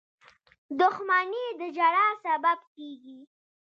• دښمني د ژړا سبب کېږي.